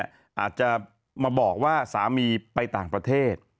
อาจจะมาบอกว่าสามีไปต่างประเทศ